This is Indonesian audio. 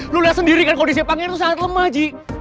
lu lihat sendiri kan kondisi pangeran itu sangat lemah ji